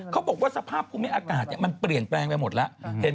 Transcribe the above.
โถมาพุพุปเซิร์ชผู้รู้ผู้ตื่น